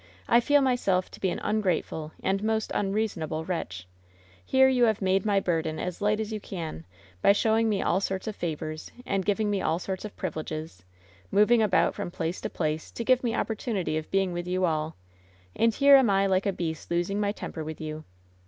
I feel my self to be an ungrateful and most unreasonable wretch I Here you have made my burden as light as you can by showing me all sorts of favors and giving me all sorts of privileges, moving about from place to place to give me opportunity of being with you all, and here am I like a beast losing my temper with you.